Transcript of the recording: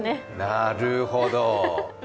なるほど。